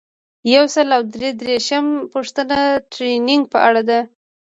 یو سل او درې دیرشمه پوښتنه د ټریننګ په اړه ده.